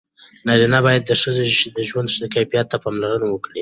نارینه باید د ښځې د ژوند کیفیت ته پاملرنه وکړي.